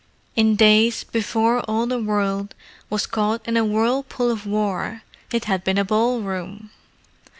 In days before all the world was caught into a whirlpool of war it had been a ballroom.